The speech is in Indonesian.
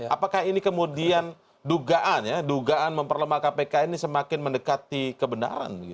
apakah ini kemudian dugaan ya dugaan memperlemah kpk ini semakin mendekati kebenaran